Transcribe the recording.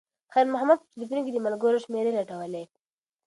خیر محمد په تلیفون کې د ملګرو شمېرې لټولې.